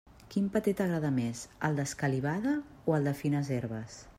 Quin paté t'agrada més, el d'escalivada o el de fines herbes?